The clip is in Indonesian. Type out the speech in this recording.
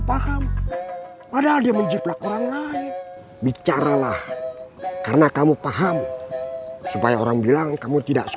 paham padahal dia menjiplak orang lain bicaralah karena kamu paham supaya orang bilang kamu tidak